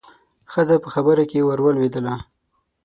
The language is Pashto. ښځه په خبره کې ورولوېدله.